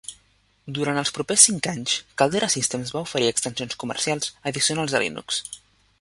Durant els propers cinc anys, Caldera Systems va oferir extensions comercials addicionals a Linux.